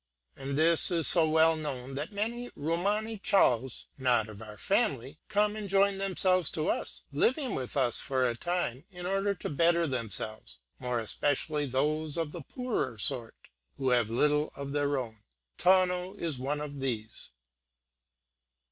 And this is so well known, that many Romany Chals, not of our family, come and join themselves to us, living with us for a time, in order to better themselves, more especially those of the poorer sort, who have little of their own. Tawno is one of these."